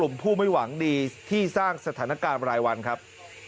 ผู้ไม่หวังดีที่สร้างสถานการณ์รายวันครับ